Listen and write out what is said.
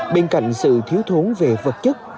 bên cạnh sự thiếu thốn về vật chất